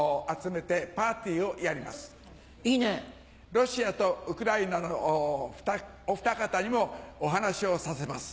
ロシアとウクライナのお２方にもお話しをさせます。